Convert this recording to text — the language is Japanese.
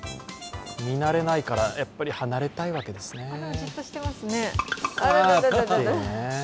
見慣れないから、やっぱり離れたいわけですね。